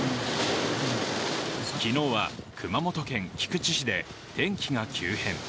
昨日は熊本県菊池市で天気が急変。